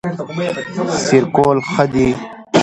سیر کول ښه دي